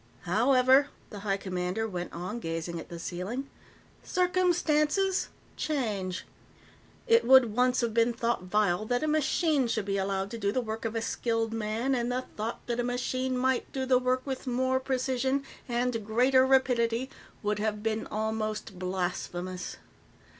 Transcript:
"However," the High Commander went on, gazing at the ceiling, "circumstances change. It would once have been thought vile that a machine should be allowed to do the work of a skilled man, and the thought that a machine might do the work with more precision and greater rapidity would have been almost blasphemous.